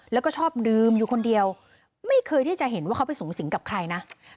แล้วก็ชอบดื่มอยู่คนเดียวไม่เคยที่จะเห็นว่าเขาไปสูงสิงกับใครนะ